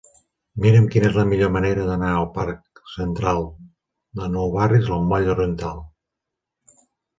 Mira'm quina és la millor manera d'anar del parc Central de Nou Barris al moll Oriental.